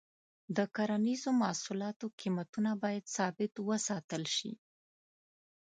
د کرنیزو محصولاتو قیمتونه باید ثابت وساتل شي.